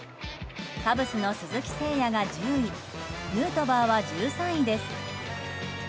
カブスの鈴木誠也が１０位ヌートバーは１３位です。